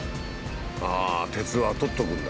鉄は取っとくんだ。